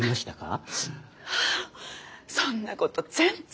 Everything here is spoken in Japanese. そんなこと全然。